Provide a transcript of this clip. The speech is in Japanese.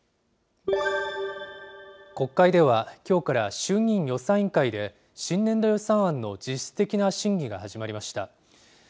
国会では、きょうから衆議院予算委員会で、新年度予算案の実質的な審議が始まりました。